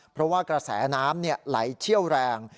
เพราะว่ากระแสน้ำไหลเชี่ยวแรง